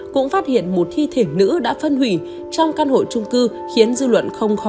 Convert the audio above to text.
cũng phát hiện một thi thể nữ đã phân hủy trong căn hộ trung cư khiến dư luận không khó